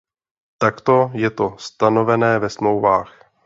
Takto je to stanovené ve smlouvách.